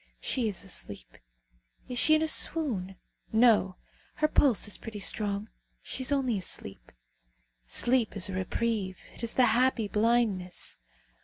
She is asleep. Is she in a swoon? No. Her pulse is pretty strong. She is only asleep. Sleep is a reprieve. It is the happy blindness.